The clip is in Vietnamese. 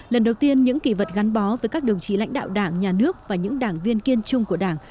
lần đầu tiên những kỳ vật gắn bó với các đồng chí lãnh đạo đảng nhà nước và những đảng viên kiên trung của đảng